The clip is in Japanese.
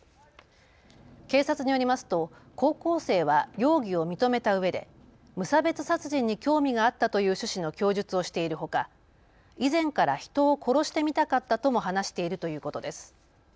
警察によりますと高校生は容疑を認めたうえで無差別殺人に興味があったという趣旨の供述をしているほか以前から人を殺してみたかったとも話しているということです。